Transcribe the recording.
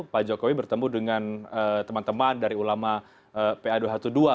pak jokowi bertemu dengan teman teman dari ulama pa dua ratus dua belas